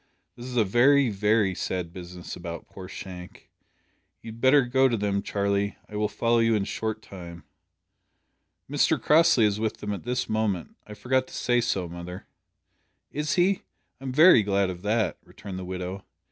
"This is a very, very sad business about poor Shank. You had better go to them, Charlie. I will follow you in a short time." "Mr Crossley is with them at this moment. I forgot to say so, mother." "Is he? I'm very glad of that," returned the widow.